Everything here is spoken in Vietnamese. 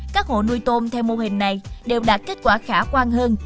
các hộ nuôi tôm theo mô hình này đều đạt kết quả khả quan hơn